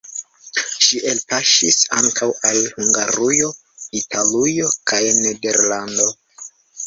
Ŝi elpaŝis ankaŭ al Hungarujo, Italujo kaj Nederlando.